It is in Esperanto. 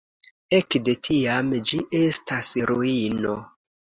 Ekde tiam ĝi estas ruino.